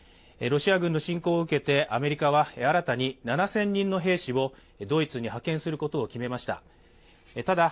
ロシア軍の侵攻を受けてアメリカは新たに７０００人の兵士をドイツに派遣することを決めました。